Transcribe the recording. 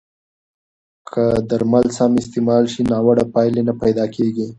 که درمل سم استعمال شي، ناوړه پایلې نه پیدا کېږي.